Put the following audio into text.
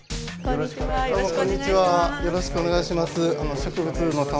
よろしくお願いします。